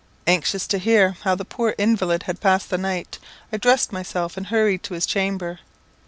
Anxious to hear how the poor invalid had passed the night, I dressed myself and hurried to his chamber.